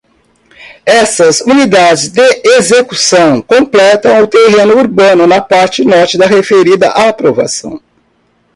Essas unidades de execução completam o terreno urbano na parte norte da referida aprovação.